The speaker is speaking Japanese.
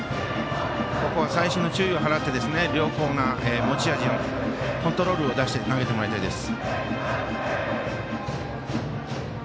ここは細心の注意を払って両コーナー、持ち味コントロールを出して投げてもらいたいです。